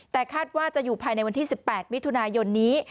แต่คาดว่าจะอยู่ภายในวันที่๑๘มิถุนายนนี้